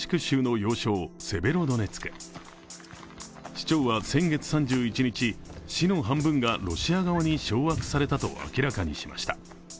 市長は先月３１日、市の半分がロシア側に掌握されたと明らかにしました。